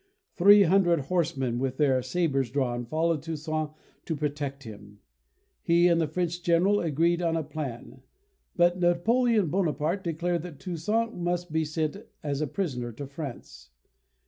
Three hundred horsemen with their sabres drawn followed Toussaint to protect him. He and the French General agreed on a plan, but Napoleon Bonaparte declared that Toussaint must be sent as a prisoner to France.